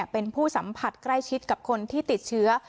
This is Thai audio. เป็นผู้สัมผัสใกล้ชิดกับคนที่ติดเชื้อ